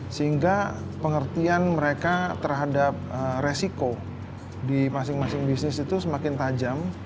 sehingga pengertian mereka terhadap resiko di masing masing bisnis itu semakin tajam